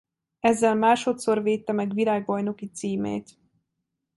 Ezzel másodszor védte meg világbajnoki címét.